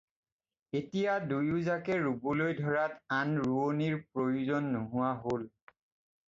এতিয়া দুয়ো জাকে ৰুবলৈ ধৰাত আন ৰোৱনীৰ প্ৰয়োজন নোহোৱা হ'ল।